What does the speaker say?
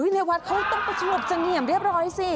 ในวัดเขาต้องประสงบเสงี่ยมเรียบร้อยสิ